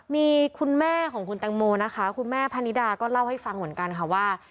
มีคุณแม่ของคุณแตงโมนะคะคุณแม่พนิดาก็เล่าให้ฟังเหมือนกันค่ะว่า